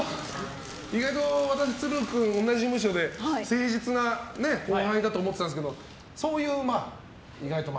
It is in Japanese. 意外と都留君、同じ事務所で誠実な後輩だと思っていたんですけどそういう、まあ。